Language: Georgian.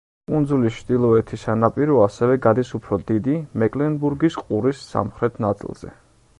კუნძულის ჩრდილოეთი სანაპირო ასევე გადის უფრო დიდი, მეკლენბურგის ყურის სამხრეთ ნაწილზე.